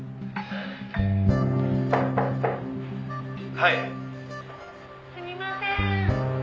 「はい」「すみません」